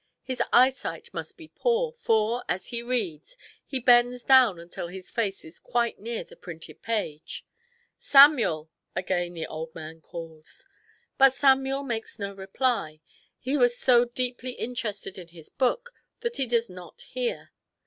His eyesight must be poor, for, as he reads, he bends down until his face is quite near the printed page. S4 DR. JOHNSON AND HIS FATHER 55 " Samuel !" again the old man calls. But Samuel makes no reply. He Is so deeply interested in his book that he does not hear.